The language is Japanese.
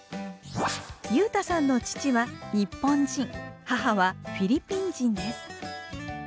裕太さんの父は日本人母はフィリピン人です。